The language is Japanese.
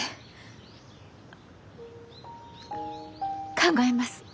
考えます。